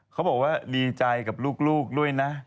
เขาบอกว่าดีใจกับลูกด้วยนะ